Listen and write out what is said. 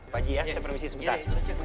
pak haji saya amin sebentar